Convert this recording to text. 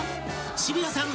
渋谷さん